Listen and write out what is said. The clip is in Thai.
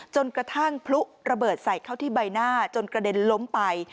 จนกระทั่งพลุระเบิดใส่เข้าที่ใบหน้าจนกระเด็นล้มไป